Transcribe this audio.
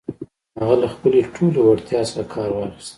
هغه له خپلې ټولې وړتيا څخه کار واخيست.